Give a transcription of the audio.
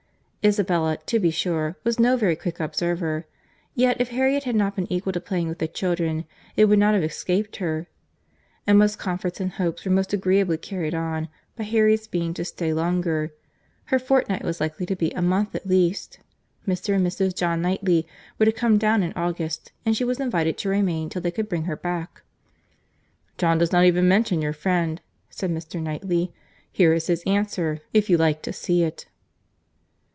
—Isabella, to be sure, was no very quick observer; yet if Harriet had not been equal to playing with the children, it would not have escaped her. Emma's comforts and hopes were most agreeably carried on, by Harriet's being to stay longer; her fortnight was likely to be a month at least. Mr. and Mrs. John Knightley were to come down in August, and she was invited to remain till they could bring her back. "John does not even mention your friend," said Mr. Knightley. "Here is his answer, if you like to see it."